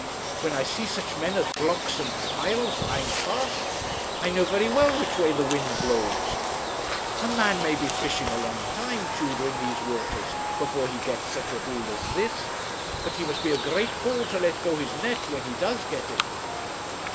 When I see such men as Blocks and Piles buying fast, I know very well which way the wind blows. A man may be fishing a long time, Tudor, in these waters, before he gets such a haul as this; but he must be a great fool to let go his net when he does get it.'